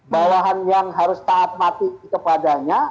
bawahan yang harus taat mati kepadanya